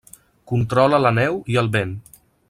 Controla la neu i el vent.